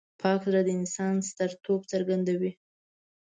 پاک زړه د انسان سترتوب څرګندوي.